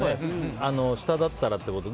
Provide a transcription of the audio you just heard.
下だったらということで。